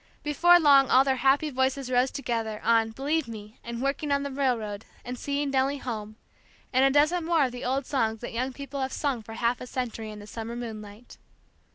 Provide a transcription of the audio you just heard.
Before long all their happy voices rose together, on "Believe me," and "Working on the Railroad," and "Seeing Nellie Home," and a dozen more of the old songs that young people have sung for half a century in the summer moonlight.